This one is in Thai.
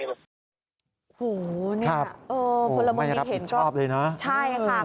โอ้โฮนี่แหละพลเมืองดีเห็นก็ใช่ค่ะพลเมืองดีเห็นก็